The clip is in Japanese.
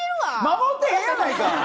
守ってへんやないか！